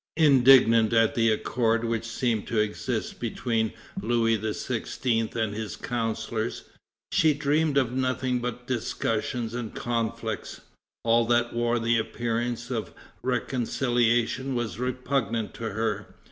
Indignant at the accord which seemed to exist between Louis XVI. and his counsellors, she dreamed of nothing but discussions and conflicts. All that wore the appearance of reconciliation was repugnant to her.